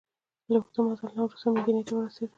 له دې اوږده مزل نه وروسته مدینې ته ورسېدل.